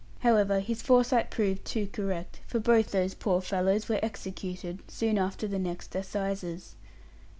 However, his foresight proved too correct; for both those poor fellows were executed, soon after the next assizes.